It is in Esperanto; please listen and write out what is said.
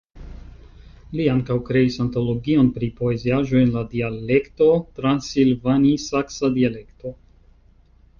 Li ankaŭ kreis antologion pri poeziaĵoj en la dialekto transilvanisaksa dialekto.